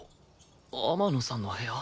天野さんの部屋？